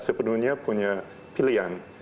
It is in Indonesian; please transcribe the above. sepenuhnya punya pilihan